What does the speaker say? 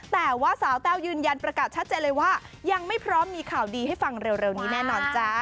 แต่ว่าสาวแต้วยืนยันประกาศชัดเจนเลยว่ายังไม่พร้อมมีข่าวดีให้ฟังเร็วนี้แน่นอนจ้า